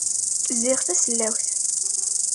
Ziɣ tasellawt.